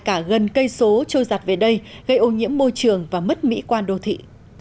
cả gần cây số trôi giặt về đây gây ô nhiễm môi trường và mất mỹ quan đô thị